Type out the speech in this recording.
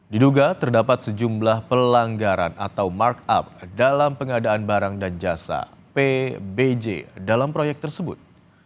diduga terdapat sejumlah pelanggaran atau markup dalam pengadaan barang dan jasa pbj dalam proyek tersebut